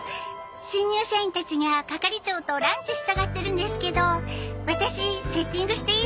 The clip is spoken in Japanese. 新入社員たちが係長とランチしたがってるんですけどワタシセッティングしていいですか？